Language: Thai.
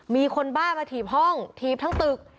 มีคนบ้ามาถีบห้องถีบทั้งตึก